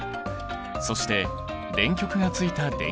そして電極がついた電球。